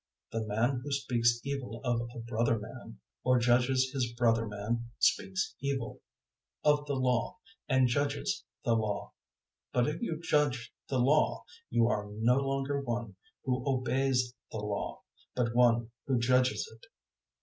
The man who speaks evil of a brother man or judges his brother man speaks evil of the Law and judges the Law. But if you judge the Law, you are no longer one who obeys the Law, but one who judges it.